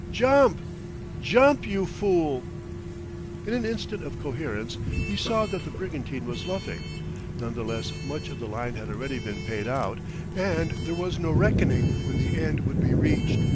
"Jump! Jump, you fool!" In an instant of coherence he saw that the brigantine was luffing; none the less much of the line had already been paid out, and there was no reckoning when the end would be reached.